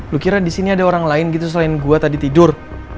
lo kira disini ada orang lain gitu selain gue tadi tidur